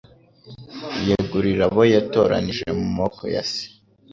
yegurira abo yatoranije mu maboko ya Se.